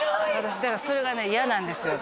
私だからそれがね嫌なんですよ